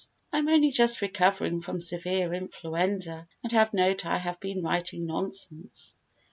I am only just recovering from severe influenza and have no doubt I have been writing nonsense.